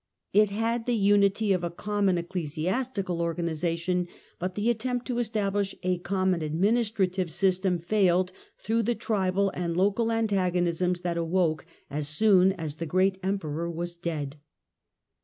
It had the unity of a common ecclesi astical organisation, but the attempt to establish a common administrative system failed through the tribal and local antagonisms that awoke as soon as the great Emperor was dead.